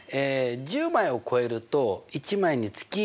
１０枚を超えると１枚につき１２００円。